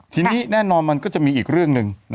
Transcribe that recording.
ทีนี้แน่นอนมันก็จะมีอีกเรื่องหนึ่ง